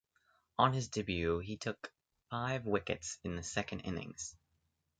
On his debut, he took five wickets in the second innings.